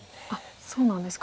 そうなんですか。